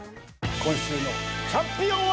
今週のチャンピオンは。